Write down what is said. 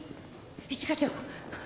一課長！